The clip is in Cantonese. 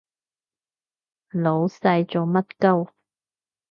老細做乜 𨳊